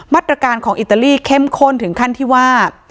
มาตรการของอิตาลีเข้มข้นถึงขั้นที่ว่า